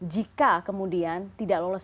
jika kemudian tidak lolos